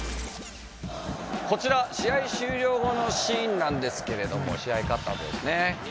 こちら試合終了後のシーンなんですけれども試合に勝ったあとですね。